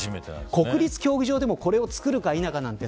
国立競技場でもこれをつくるか否かなんて